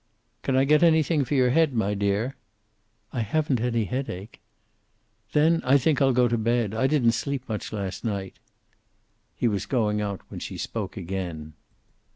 "Can I get anything for your head, my dear?" "I haven't any headache." "Then I think I'll go to bed. I didn't sleep much last night." He was going out when she spoke again.